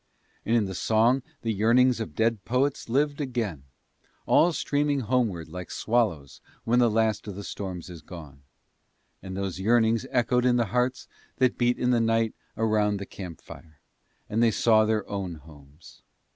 And in the song the yearnings of dead poets lived again, all streaming homeward like swallows when the last of the storms is gone: and those yearnings echoed in the hearts that beat in the night around the campfire, and they saw their own homes.